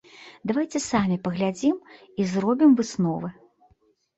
Давайце самі паглядзім і зробім высновы.